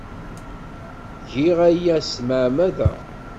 Giɣ aya s tmeɛmada.